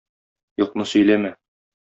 Юкны сөйләмә!